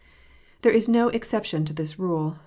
There is no exception to this rule.